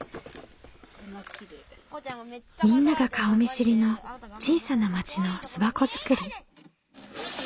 みんなが顔見知りの小さな町の巣箱作り。